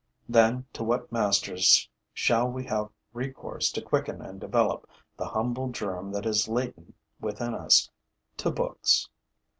Then to what masters shall we have recourse to quicken and develop the humble germ that is latent within us? To books.